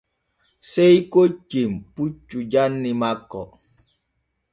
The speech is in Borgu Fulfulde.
Sey koccen puccu janni makko.